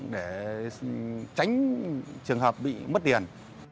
để tránh trường hợp bị mất tiền